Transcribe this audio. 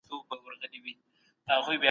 دا فایل په اسانۍ سره خلاصېږي.